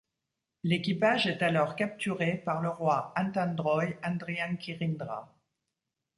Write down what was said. L'équipage est alors capturé par le roi Antandroy Andriankirindra.